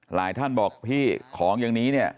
หลายท่านบอกพี่ของอย่างนี้เนี่ย